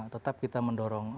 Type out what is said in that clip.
tetap kita mendorong